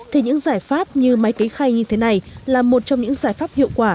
thì những giải pháp như máy kế khay như thế này là một trong những giải pháp hiệu quả